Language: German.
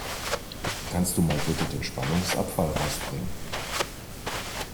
Kannst du mal bitte den Spannungsabfall rausbringen?